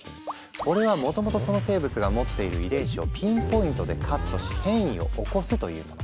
これはもともとその生物が持っている遺伝子をピンポイントでカットし変異を起こすというもの。